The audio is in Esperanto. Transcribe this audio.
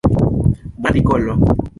Bona artikolo.